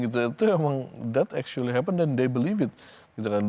itu benar benar terjadi dan mereka percaya